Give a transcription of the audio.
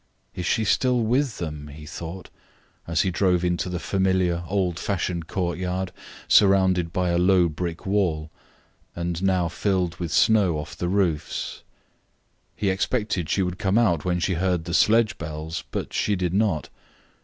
"Is she still with them?" he thought, as he drove into the familiar, old fashioned courtyard, surrounded by a low brick wall, and now filled with snow off the roofs. He expected she would come out when she heard the sledge bells but she did not.